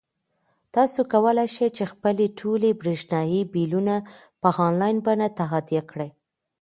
تاسو کولای شئ چې خپلې ټولې برېښنايي بلونه په انلاین بڼه تادیه کړئ.